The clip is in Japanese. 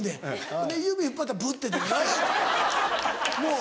ほんで指引っ張ったらブッて出る「うわ！」。